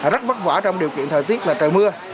rất vất vả trong điều kiện thời tiết là trời mưa